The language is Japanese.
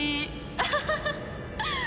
アハハハッ！